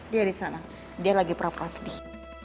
dia disana dia lagi pura pura sedih